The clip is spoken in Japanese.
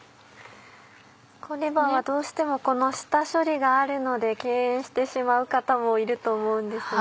レバーはどうしてもこの下処理があるので敬遠してしまう方もいると思うんですが。